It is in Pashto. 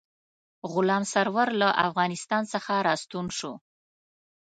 غلام سرور له افغانستان څخه را ستون شو.